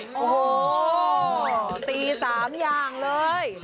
โฮตี๓อย่างเลย